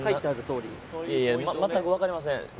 いやいや全くわかりません。